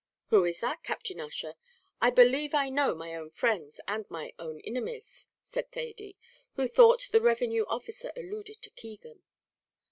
"Who is that, Captain Ussher? I believe I know my own friends and my own inimies," said Thady, who thought the revenue officer alluded to Keegan.